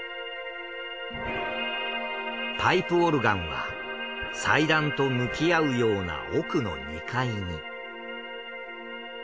パイプオルガンは祭壇と向き合うような奥の２階に。